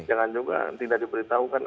jangan juga tidak diberitahukan